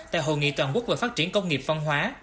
tại hội nghị toàn quốc về phát triển công nghiệp văn hóa